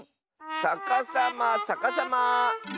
さかさまさかさま。